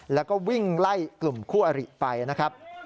แล้วก็วิ่งไล่กลุ่มคู่อริไปนะครับ